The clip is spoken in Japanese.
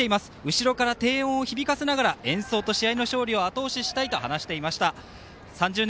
後ろから低音を響かせながら演奏と試合の勝利をあと押ししたいと話していました。